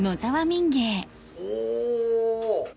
お。